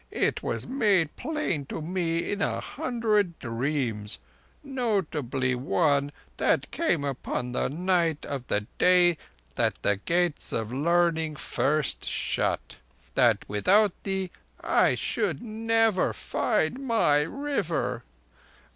It was made plain to me in a hundred dreams—notably one that came upon the night of the day that the Gates of Learning first shut that without thee I should never find my River.